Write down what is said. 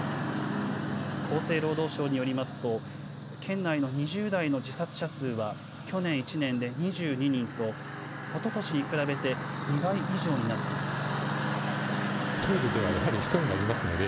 厚生労働省によりますと県内の２０代の自殺者数は去年１年で２２人と、おととしに比べて２倍以上になっています。